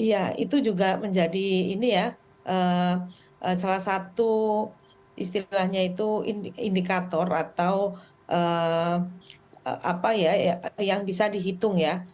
iya itu juga menjadi salah satu istilahnya itu indikator atau yang bisa dihitung ya